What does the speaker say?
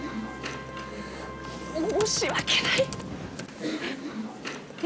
申し訳ない！え？